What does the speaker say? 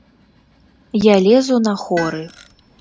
Я лезу на хоры.